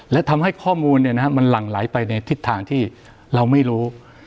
และทำให้ข้อมูลมันหลั่งไหลไปในทิศทางที่เราไม่รู้